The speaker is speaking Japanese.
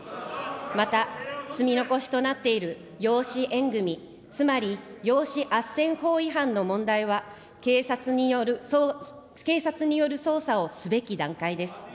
また、積み残しとなっている養子縁組、つまり養子あっせん法違反の問題は、警察による捜査をすべき段階です。